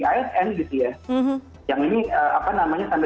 asn gitu ya yang ini apa namanya sampai